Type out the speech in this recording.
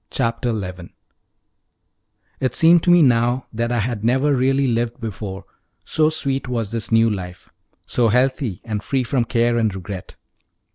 Chapter 11 It seemed to me now that I had never really lived before so sweet was this new life so healthy, and free from care and regret.